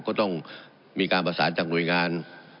ก็ต้องมีการประสานจากหน่วยงาน